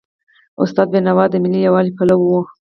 استاد بینوا د ملي یووالي پلوی و.